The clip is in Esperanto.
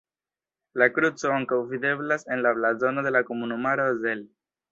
La kruco ankaŭ videblas en la blazono de la komunumaro Zell.